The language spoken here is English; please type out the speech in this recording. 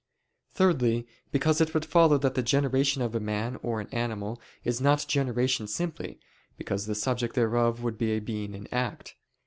Thirdly, because it would follow that the generation of a man or an animal is not generation simply, because the subject thereof would be a being in act.